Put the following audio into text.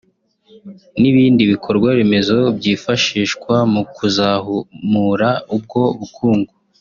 n’ibindi bikorwaremezo byifashishwa mu kuzamura ubwo bukungu